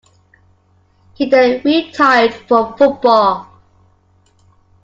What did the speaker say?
He then retired from football.